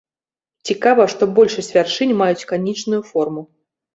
Цікава, што большасць вяршынь маюць канічную форму.